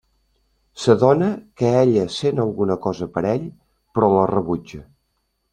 S'adona que ella sent alguna cosa per ell però la rebutja.